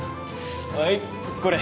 はいこれ。